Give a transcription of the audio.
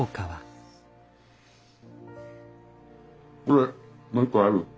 これもう一個ある？